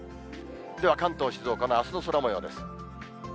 では関東、静岡のあすの空もようです。